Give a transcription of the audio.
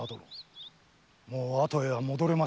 もう後へは戻れませぬぞ。